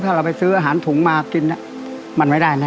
ถ้าเราไปซื้ออาหารถุงมากินมันไม่ได้แน่